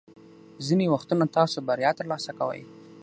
ځینې وختونه تاسو بریا ترلاسه کوئ.